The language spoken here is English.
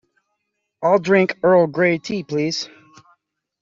I'll drink Earl Grey tea please.